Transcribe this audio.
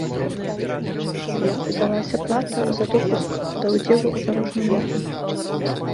Цяпер дадалася плата за допуск да ўдзелу ў дарожным руху.